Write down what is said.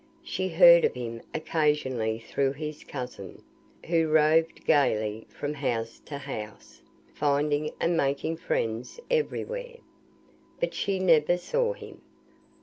She heard of him occasionally through his cousin, who roved gaily from house to house, finding and making friends everywhere. But she never saw him.